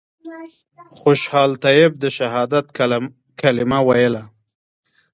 خوشحال طیب د شهادت کلمه ویله.